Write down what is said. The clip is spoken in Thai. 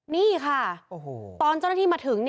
นี่ค่ะตอนเจ้าหน้าที่มาถึง